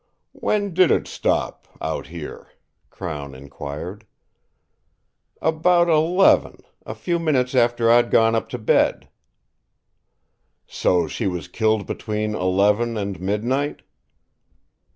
"When did it stop out here?" Crown inquired. "About eleven; a few minutes after I'd gone up to bed." "So she was killed between eleven and midnight?"